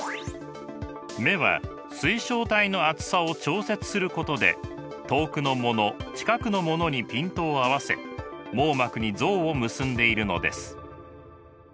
目は水晶体の厚さを調節することで遠くのもの近くのものにピントを合わせ網膜に像を結んでいるのです。